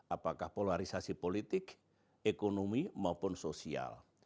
apakah polarisasi politik ekonomi maupun sosial